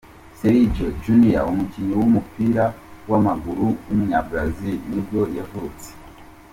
Sergio Júnior, umukinnyi w’umupira w’amaguru w’umunyabrazil nibwo yavutse.